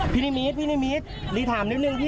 พี่นีมีทนีมีทนีจะถามนิดนึงพี่